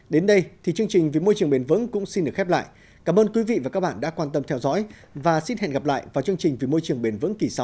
đến đây thì chương trình vì môi trường bền vững cũng xin được khép lại cảm ơn quý vị và các bạn đã quan tâm theo dõi và xin hẹn gặp lại vào chương trình vì môi trường bền vững kỳ sau